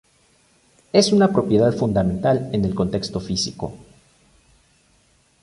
Es una propiedad fundamental en el contexto físico.